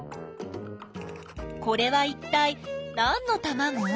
これはいったいなんのたまご？